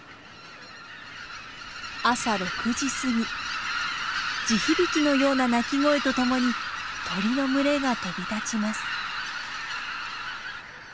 朝６時すぎ地響きのような鳴き声と共に鳥の群れが飛び立ちます。